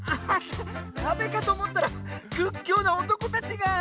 かべかとおもったらくっきょうなおとこたちが！